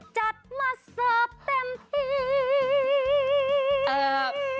จัดมาสอบเต็มที่